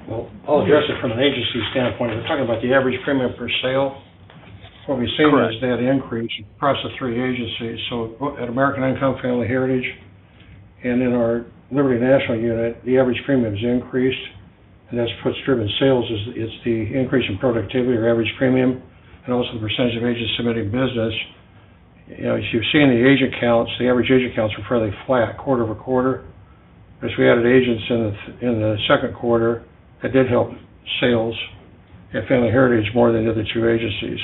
Well, I'll address it from an agency standpoint. We're talking about the average premium per sale. Correct. What we've seen is that increase across the three agencies. At American Income, Family Heritage, and in our Liberty National unit, the average premium has increased, and that's what's driven sales is the increase in productivity or average premium and also the percentage of agents submitting business. You know, as you've seen in the agent counts, the average agent counts were fairly flat quarter-over-quarter. As we added agents in the second quarter, that did help sales at Family Heritage more than the other two agencies.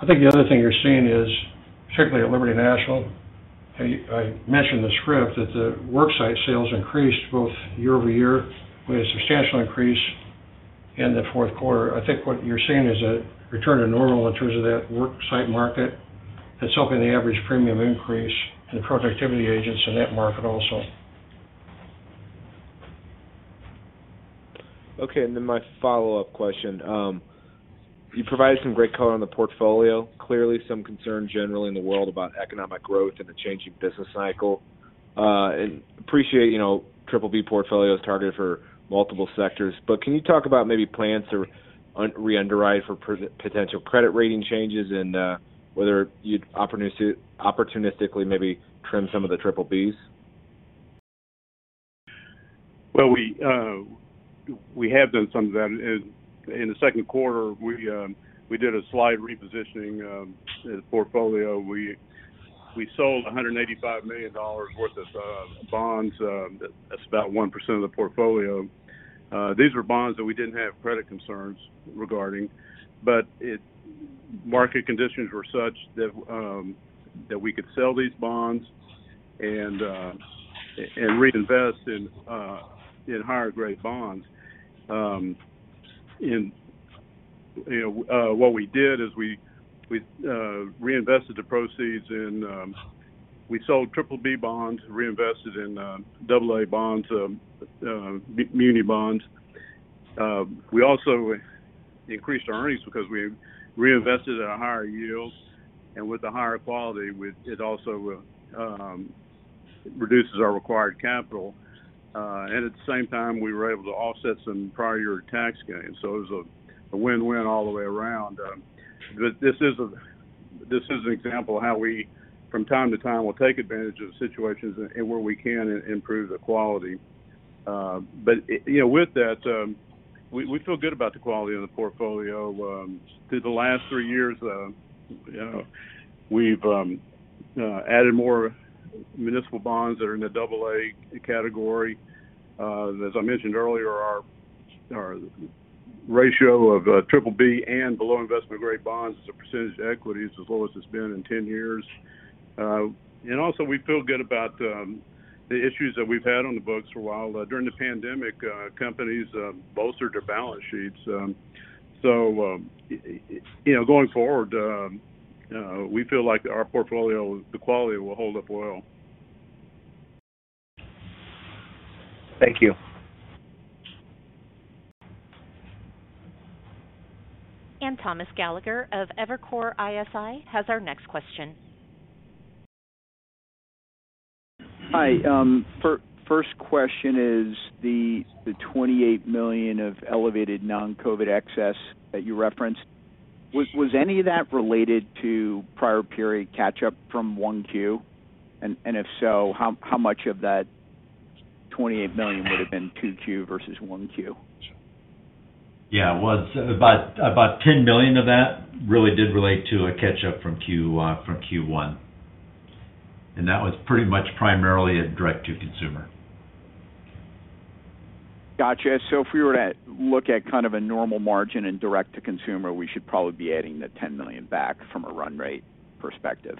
I think the other thing you're seeing is, particularly at Liberty National, I mentioned the shift that the worksite sales increased both year-over-year with a substantial increase in the fourth quarter. I think what you're seeing is a return to normal in terms of that worksite market. That's helping the average premium increase in the productivity of agents in that market also. Okay. My follow-up question. You provided some great color on the portfolio. Clearly some concern generally in the world about economic growth and the changing business cycle. I appreciate, you know, BBB portfolio is targeted for multiple sectors. Can you talk about maybe plans or re-underwrite for potential credit rating changes and whether you'd opportunistically maybe trim some of the BBB's? Well, we have done some of that. In the second quarter, we did a slight repositioning in the portfolio. We sold $185 million worth of bonds. That's about 1% of the portfolio. These were bonds that we didn't have credit concerns regarding, but market conditions were such that we could sell these bonds and reinvest in higher grade bonds. You know, what we did is we reinvested the proceeds and we sold BBB bonds, reinvested in AA bonds, muni bonds. We also increased our earnings because we reinvested at a higher yield. With the higher quality, it also reduces our required capital. At the same time, we were able to offset some prior year tax gains. It was a win-win all the way around. This is an example of how we from time to time will take advantage of the situations and where we can improve the quality. You know, with that, we feel good about the quality of the portfolio. Through the last three years, you know, we've added more municipal bonds that are in the AA category. As I mentioned earlier, our ratio of BBB and below investment-grade bonds as a percentage of equity is as low as it's been in 10 years. We also feel good about the issues that we've had on the books for a while. During the pandemic, companies bolstered their balance sheets. You know, going forward, we feel like our portfolio, the quality will hold up well. Thank you. Thomas Gallagher of Evercore ISI has our next question. Hi. First question is the $28 million of elevated non-COVID excess that you referenced, was any of that related to prior period catch up from 1Q? If so, how much of that $28 million would have been 2Q versus 1Q? Yeah. It was about $10 million of that really did relate to a catch-up from Q1, and that was pretty much primarily a Direct-to-Consumer. Gotcha. If we were to look at kind of a normal margin in Direct-to-Consumer, we should probably be adding the $10 million back from a run rate perspective.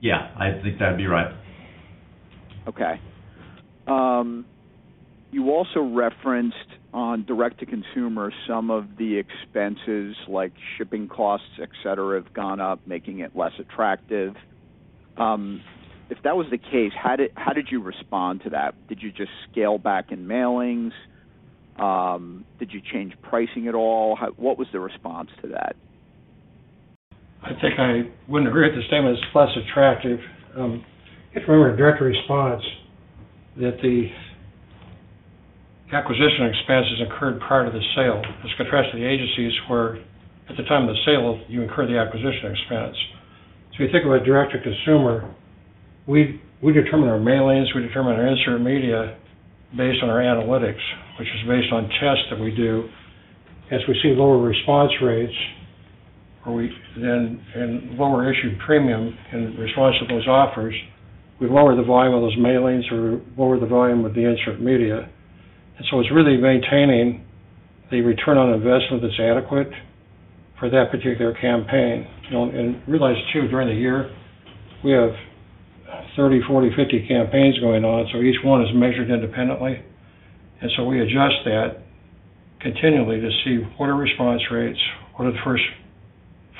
Yeah, I think that'd be right. Okay. You also referenced on Direct-to-Consumer some of the expenses, like shipping costs, etc, have gone up, making it less attractive. If that was the case, how did you respond to that? Did you just scale back in mailings? Did you change pricing at all? What was the response to that? I think I wouldn't agree with the statement, it's less attractive. If you remember in direct response that the acquisition expenses occurred prior to the sale. In contrast to the agencies where at the time of the sale you incur the acquisition expense. If you think about Direct-to-Consumer, we determine our mailings, we determine our insert media based on our analytics, which is based on tests that we do. As we see lower response rates, or lower issued premium in response to those offers, we lower the volume of those mailings or lower the volume of the insert media. It's really maintaining the return on investment that's adequate. For that particular campaign. You know, and realize too, during the year we have 30, 40, 50 campaigns going on, so each one is measured independently. We adjust that continually to see what are response rates, what are the first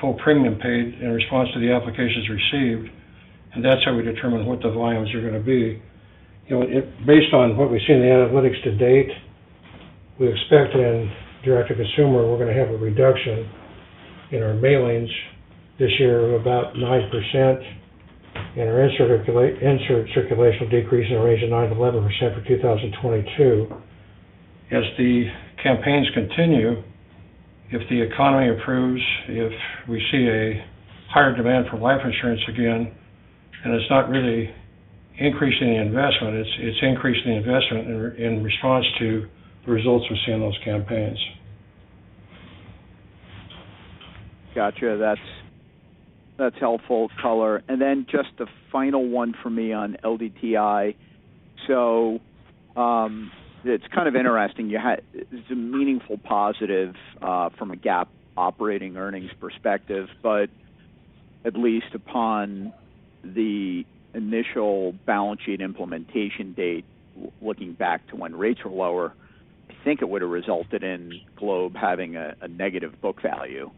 full premium paid in response to the applications received. That's how we determine what the volumes are gonna be. You know, Based on what we see in the analytics to date, we expect in Direct-to-Consumer, we're gonna have a reduction in our mailings this year of about 9% and our insert circulation decrease in the range of 9%-11% for 2022. As the campaigns continue, if the economy improves, if we see a higher demand for life insurance again, and it's not really increasing the investment, it's increasing the investment in response to the results we see in those campaigns. Gotcha. That's helpful color. Just the final one for me on LDTI. It's kind of interesting. It's a meaningful positive from a GAAP operating earnings perspective, but at least upon the initial balance sheet implementation date, looking back to when rates were lower, I think it would've resulted in Globe having a negative book value,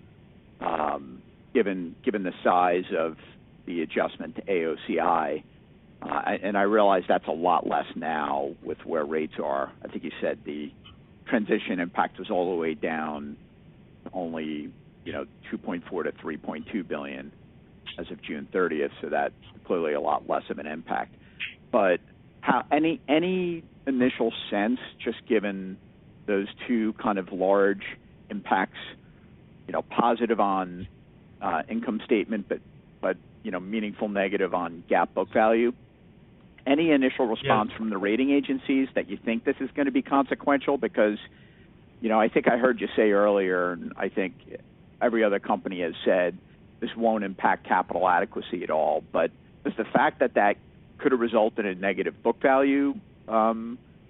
given the size of the adjustment to AOCI. I realize that's a lot less now with where rates are. I think you said the transition impact was all the way down only, you know, $2.4 billion-$3.2 billion as of June 30th. That's clearly a lot less of an impact. Any initial sense, just given those two kind of large impacts, you know, positive on income statement, but you know, meaningful negative on GAAP book value. Any initial response from the rating agencies that you think this is gonna be consequential? Because, you know, I think I heard you say earlier, and I think every other company has said this won't impact capital adequacy at all. But does the fact that that could result in a negative book value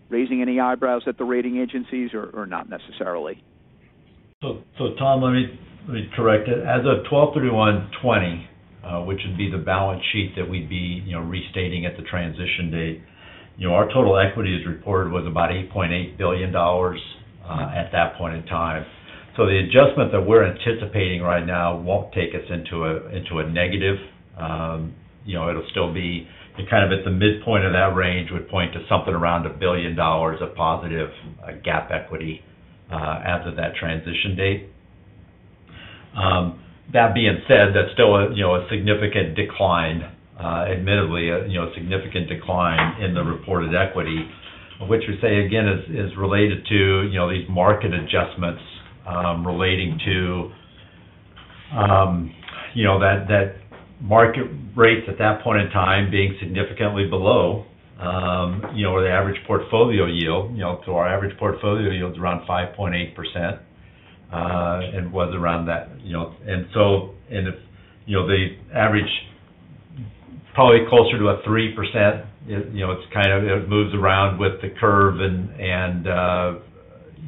raising any eyebrows at the rating agencies or not necessarily? Thomas, let me correct it. As of 12/31/2020, which would be the balance sheet that we'd be restating at the transition date, you know, our total equity as reported was about $8.8 billion at that point in time. The adjustment that we're anticipating right now won't take us into a negative. You know, it'll still be kind of at the midpoint of that range would point to something around $1 billion of positive GAAP equity as of that transition date. That being said, that's still a you know, a significant decline, admittedly a significant decline in the reported equity. Which we say again is related to, you know, these market adjustments, relating to, you know, that market rates at that point in time being significantly below, you know, the average portfolio yield. You know, so our average portfolio yield is around 5.8%, and was around that, you know. And if, you know, the average probably closer to a 3%, it, you know, it's kind of it moves around with the curve and,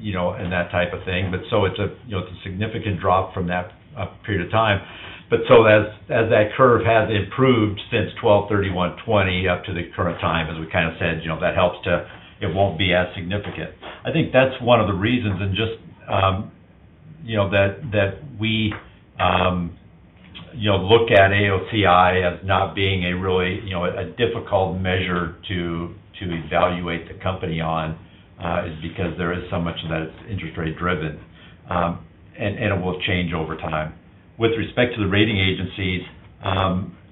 you know, and that type of thing. It's a, you know, it's a significant drop from that period of time. As, as that curve has improved since 12/31/2020 up to the current time, as we kind of said, you know, that helps to. It won't be as significant. I think that's one of the reasons and just, you know, that we, you know, look at AOCI as not being a really, you know, a difficult measure to evaluate the company on, is because there is so much of that it's interest rate driven. It will change over time. With respect to the rating agencies,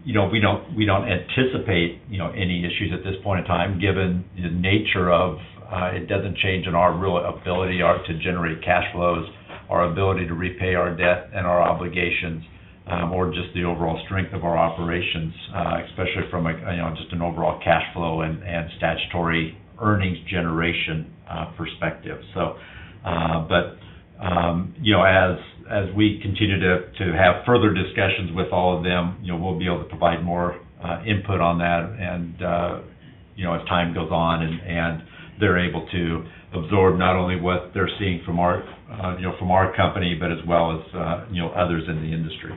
you know, we don't anticipate, you know, any issues at this point in time, given the nature of it doesn't change our real ability to generate cash flows, our ability to repay our debt and our obligations, or just the overall strength of our operations, especially from, you know, just an overall cash flow and statutory earnings generation, perspective. You know, as we continue to have further discussions with all of them, you know, we'll be able to provide more input on that and, you know, as time goes on and they're able to absorb not only what they're seeing from our, you know, from our company, but as well as, you know, others in the industry.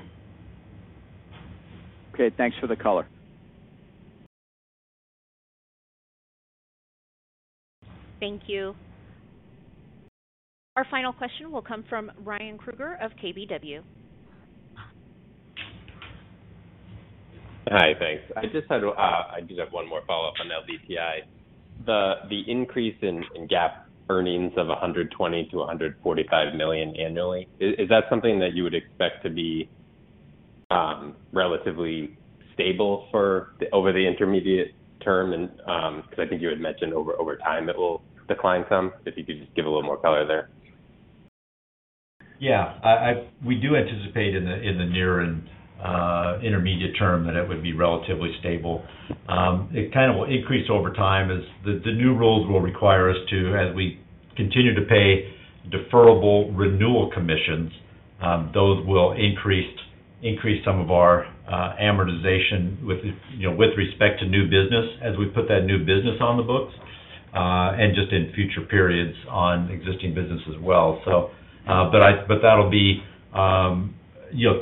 Okay. Thanks for the color. Thank you. Our final question will come from Ryan Krueger of KBW. Hi. Thanks. I did have one more follow-up on LDTI. The increase in GAAP earnings of $120 million-$145 million annually, is that something that you would expect to be relatively stable for over the intermediate term? 'Cause I think you had mentioned over time it will decline some. If you could just give a little more color there. Yeah. We do anticipate in the near and intermediate term that it would be relatively stable. It kind of will increase over time as the new rules will require us to, as we continue to pay deferrable renewal commissions, those will increase some of our amortization with, you know, with respect to new business as we put that new business on the books. Just in future periods on existing business as well. That'll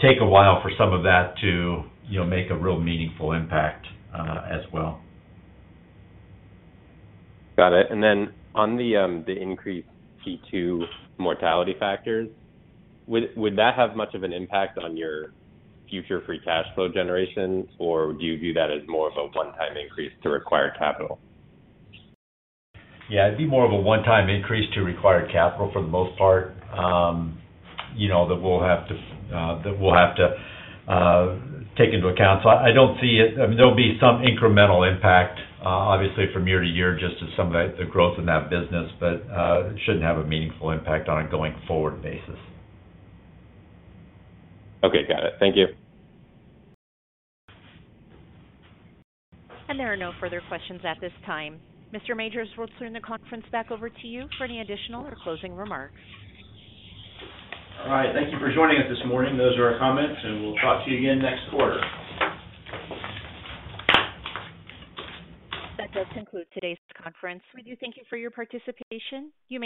take a while for some of that to, you know, make a real meaningful impact, as well. Got it. On the increased C-2 mortality factors, would that have much of an impact on your future free cash flow generations, or do you view that as more of a one-time increase to required capital? Yeah, it'd be more of a one-time increase to required capital for the most part. You know, that we'll have to take into account. I don't see it. I mean, there'll be some incremental impact, obviously from year-to-year just as some of the growth in that business. It shouldn't have a meaningful impact on a going forward basis. Okay, got it. Thank you. There are no further questions at this time. Mr. Majors, we'll turn the conference back over to you for any additional or closing remarks. All right. Thank you for joining us this morning. Those are our comments, and we'll talk to you again next quarter. That does conclude today's conference. We do thank you for your participation. You may disconnect.